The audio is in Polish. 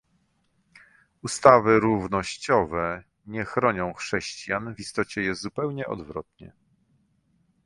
Ustawy równościowe nie chronią chrześcijan - w istocie jest zupełnie odwrotnie